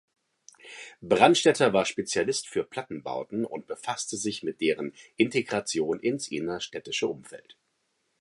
Brandstätter war Spezialist für Plattenbauten und befasste sich mit deren Integration ins innerstädtische Umfeld.